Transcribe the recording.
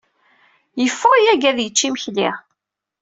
Yeffeɣ yagi ad yecc imekli.